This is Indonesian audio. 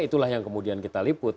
itulah yang kemudian kita liput